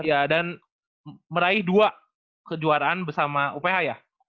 iya dan meraih dua kejuaraan bersama uph ya